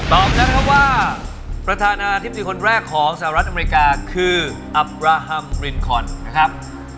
นะครับว่าประธานาธิบดีคนแรกของสหรัฐอเมริกาคืออับราฮัมรินคอนนะครับ